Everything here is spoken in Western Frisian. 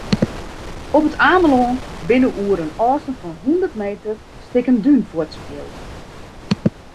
Op It Amelân binne oer in ôfstân fan hûndert meter stikken dún fuortspield.